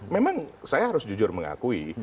memang saya harus jujur mengakui